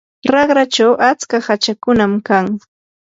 raqrachaw atska hachakunam kan.